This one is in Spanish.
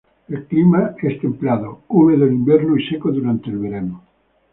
El clima es templado, húmedo en invierno y seco durante el verano.